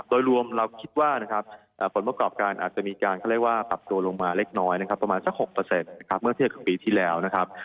โดยรวมเราคิดว่าผลประกอบการอาจจะมีการปรับตัวลงมาเล็กน้อยประมาณ๖เมื่อเทียบกับปีที่แล้ว